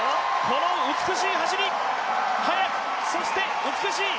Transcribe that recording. この美しい走り早く、そして美しい！